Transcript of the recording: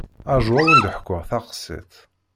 Rju ad wen-d-ḥkuɣ taqsiṭ.